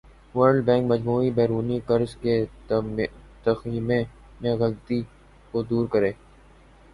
world Bank مجموعی بیرونی قرض کے تخمینے میں غلطی کو دور کرے